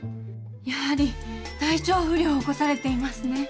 やはり体調不良を起こされていますね。